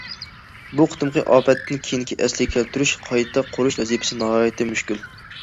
بۇ قېتىمقى ئاپەتتىن كېيىنكى ئەسلىگە كەلتۈرۈش، قايتا قۇرۇش ۋەزىپىسى ناھايىتى مۈشكۈل.